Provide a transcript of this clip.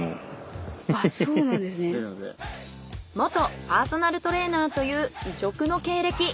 元パーソナルトレーナーという異色の経歴。